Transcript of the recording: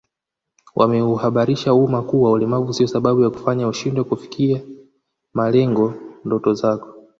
Wameuhabarisha umma kuwa ulemavu sio sababu ya kukufanya ushindwe kufikia malengo ndoto zako